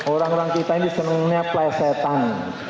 orang orang kita ini senangnya pelesetan